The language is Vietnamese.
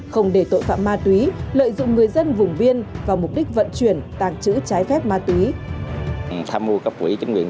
không để tội phạm ma túy lợi dụng người dân vùng biên vào mục đích vận chuyển tàng trữ trái phép ma túy